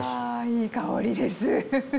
あいい香りです！